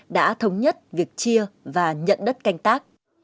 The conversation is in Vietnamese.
đã thống nhất việc chia và nhận đất canh tác